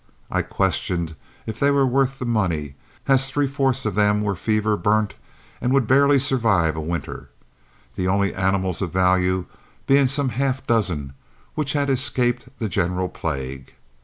I question if they were worth the money, as three fourths of them were fever burnt and would barely survive a winter, the only animals of value being some half dozen which had escaped the general plague.